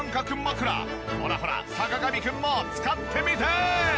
ほらほら坂上くんも使ってみて！